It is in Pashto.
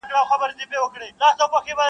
لکه دی چي د جنګونو قهرمان وي -